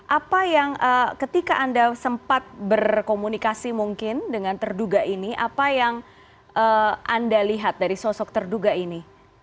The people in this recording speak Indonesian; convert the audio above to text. apa yang ketika anda sempat berkomunikasi mungkin dengan terduga ini apa yang anda lihat dari sosok terduga ini